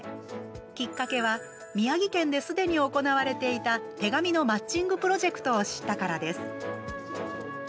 きっかけは、宮城県ですでに行われていた手紙のマッチングプロジェクトを知ったからです。